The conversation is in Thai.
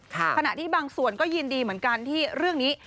ขณะที่บางส่วนก็ยินดีเหมือนกันที่เรื่องนี้